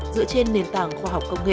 dựa trên nền tảng khoa học công nghệ